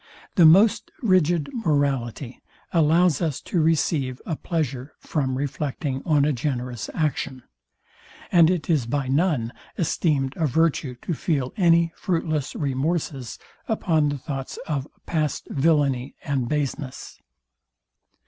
The most rigid morality allows us to receive a pleasure from reflecting on a generous action; and it is by none esteemed a virtue to feel any fruitless remorses upon the thoughts of past villainy and baseness.